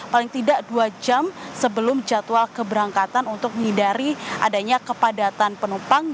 paling tidak dua jam sebelum jadwal keberangkatan untuk menghindari adanya kepadatan penumpang